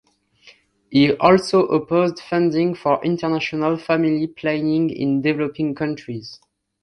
He also opposed funding for international family planning in developing countries.